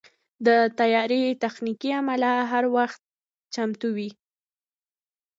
د طیارې تخنیکي عمله هر وخت چمتو وي.